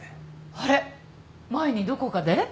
あれ前にどこかで？